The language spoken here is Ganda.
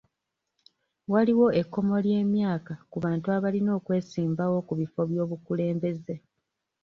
Waliwo ekkomo ly'emyaka ku bantu abalina okwesimbawo ku bifo by'obukulembeze..